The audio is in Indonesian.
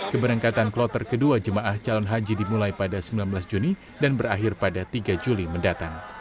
keberangkatan kloter kedua jemaah calon haji dimulai pada sembilan belas juni dan berakhir pada tiga juli mendatang